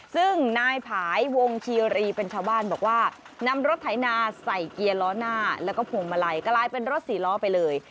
ซึ่งนายผายวงคีรีเป็นชาวบ้านบอกว่านำรถไถนาใส่เกียร์ล้อหน้าแล้วก็พวงมาลัยกลายเป็นรถสี่ล้อไปเลย